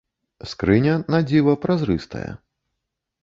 Скрыня, на дзіва, празрыстая.